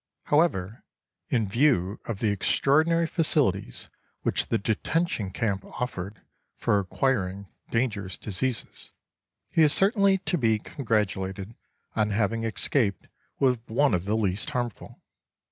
However, in view of the extraordinary facilities which the detention camp offered for acquiring dangerous diseases, he is certainly to be congratulated on having escaped with one of the least harmful.